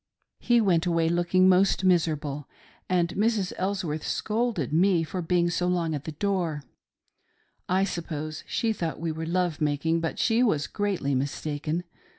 He went away looking most miserable, and Mrs. Elsworth scolded me for being so long at the door. I suppose she thought we were love making, but she was greatly mistaken.